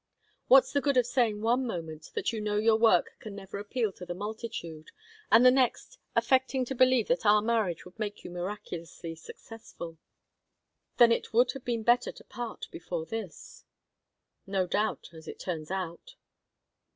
What's the good of saying one moment that you know your work can never appeal to the multitude, and the next, affecting to believe that our marriage would make you miraculously successful?" "Then it would have been better to part before this." "No doubt as it turns out."